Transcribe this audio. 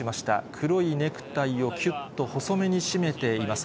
黒いネクタイをきゅっと細めに締めています。